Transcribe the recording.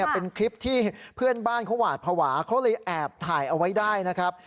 เป็นคลิปที่เพื่อนบ้านเขาหวาดภาวะเขาเลยแอบถ่ายเอาไว้ได้นะครับ